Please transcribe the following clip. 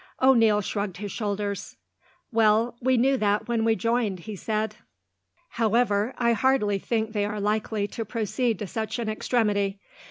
O'Neil shrugged his shoulders. "Well, we knew that when we joined," he said. "However, I hardly think they are likely to proceed to such an extremity.